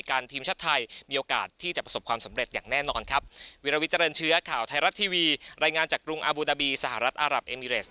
ร่วมใจกันทีมชาติไทยมีโอกาสที่จะประสบความสำเร็จอย่างแน่นอนครับ